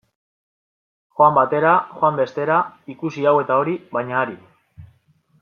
Joan batera, joan bestera, ikusi hau eta hori, baina arin.